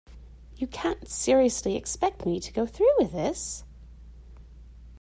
You can't seriously expect me to go through with this?